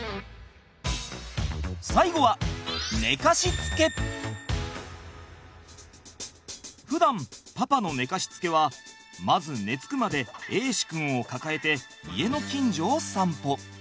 最後はふだんパパの寝かしつけはまず寝つくまで瑛志くんを抱えて家の近所を散歩。